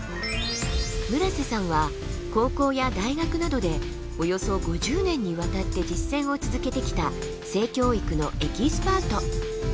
村瀬さんは高校や大学などでおよそ５０年にわたって実践を続けてきた性教育のエキスパート。